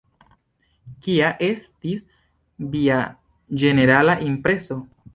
Kia estis via ĝenerala impreso?